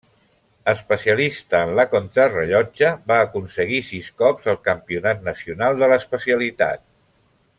Especialista en la contrarellotge, va aconseguir sis cops el campionat nacional de l'especialitat.